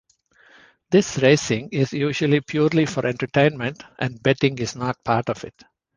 This racing is usually purely for entertainment, and betting is not part of it.